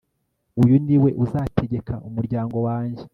uyu ni we uzategeka umuryango wanjye